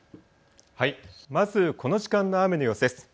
まずこの時間の雨の様子です。